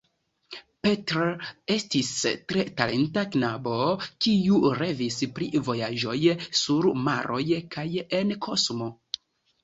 Petr estis tre talenta knabo, kiu revis pri vojaĝoj sur maroj kaj en kosmo.